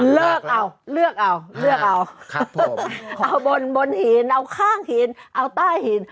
เลิกเอาเลือกเอาเลือกเอาเอาบนบนหินเอาข้างหินเอาใต้หิน